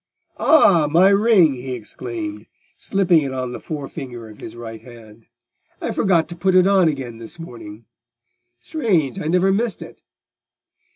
"Ah, my ring!" he exclaimed, slipping it on the forefinger of his right hand. "I forgot to put it on again this morning. Strange, I never missed it!